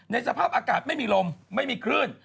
สภาพอากาศไม่มีลมไม่มีคลื่น